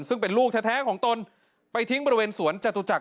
ซึ่งเป็นลูกแท้ของตนไปทิ้งบริเวณสวนจตุจักร